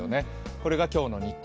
これが今日の日中。